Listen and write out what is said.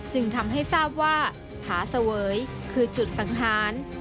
จึงทำให้ทราบว่าผาเสวยคือจุดสังหาร